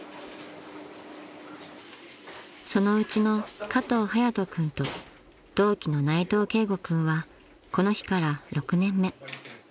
［そのうちの加藤颯人君と同期の内藤恵悟君はこの日から６年目］